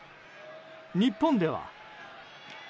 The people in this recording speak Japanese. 日本では。